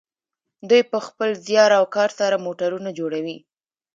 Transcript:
دوی په خپل زیار او کار سره موټرونه جوړوي.